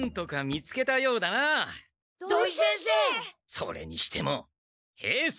それにしても兵助！